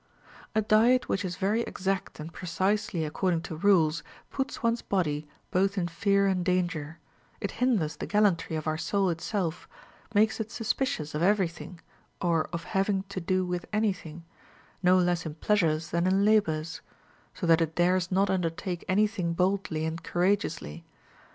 13. A diet which is very exact and precisely according to rule puts one's body both in fear and danger ; it hinders the gallantry of our soul itself, makes it suspicious of every thing or of having to do with any thing, no less in pleasures than in labors ; so that it dares not undertake any thing boldly and courageously.